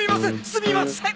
すみません！